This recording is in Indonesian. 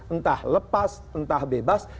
entah lepas entah bebas